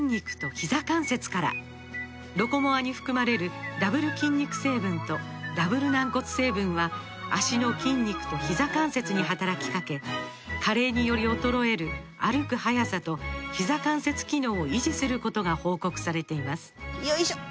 「ロコモア」に含まれるダブル筋肉成分とダブル軟骨成分は脚の筋肉とひざ関節に働きかけ加齢により衰える歩く速さとひざ関節機能を維持することが報告されていますよいしょっ！